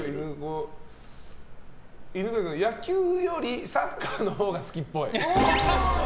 犬飼君は、野球よりサッカーのほうが好きっぽい。